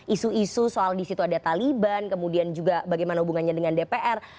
isu isu soal di situ ada taliban kemudian juga bagaimana hubungannya dengan dpr